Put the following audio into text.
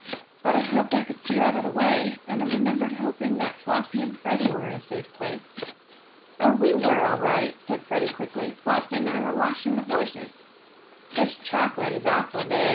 But I hoped I could steer out of the way, and I remember hoping that Flossie and Freddie were in a safe place." "Oh, we were all right," said Freddie quickly. "Flossie and I were watching the horses. This chocolate is awful good!"